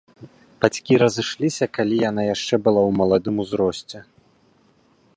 Бацькі разышліся, калі яна яшчэ была ў маладым узросце.